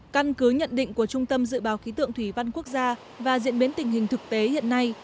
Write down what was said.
căn cứ nhận định của trung tâm dự báo khí tượng thủy văn quốc gia và diễn biến tình hình thực tế hiện nay